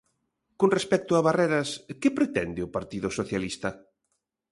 Con respecto a Barreras, ¿que pretende o Partido Socialista?